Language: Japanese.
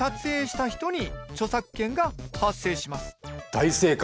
大正解。